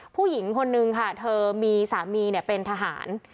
ผู้หญิงคนนึงค่ะเธอมีสามีเป็นทหาร